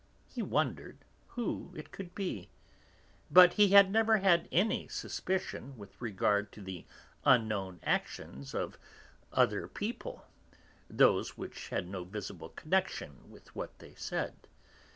He wondered who it could be. But he had never had any suspicion with regard to the unknown actions of other people, those which had no visible connection with what they said.